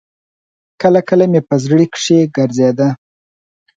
کله کله مې په زړه کښې ګرځېده.